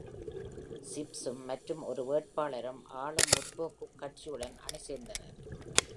கிப்சும் மற்றும் ஒரு வேட்பாளரும் ஆளும் முற்போக்குக் கட்சியுடன் அணி சேர்ந்தனர்.